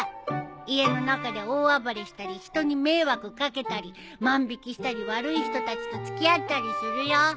家の中で大暴れしたり人に迷惑掛けたり万引したり悪い人たちと付き合ったりするよ。